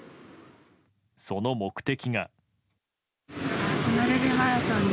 その目的が。